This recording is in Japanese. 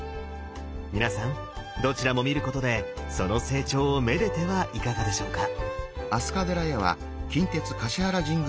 皆さんどちらも見ることでその成長を愛でてはいかがでしょうか。